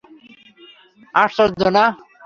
আশ্চর্য, না?